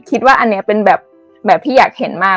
คิดว่าอันนี้เป็นแบบที่อยากเห็นมาก